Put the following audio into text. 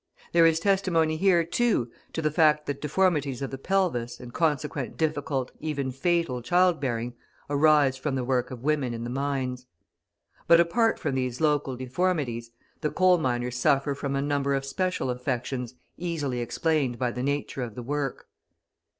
There is testimony here, too, to the fact that deformities of the pelvis and consequent difficult, even fatal, childbearing arise from the work of women in the mines. But apart from these local deformities, the coal miners suffer from a number of special affections easily explained by the nature of the work.